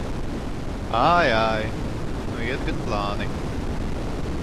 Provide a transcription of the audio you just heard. Ai, ai! Nu iet gan plāni!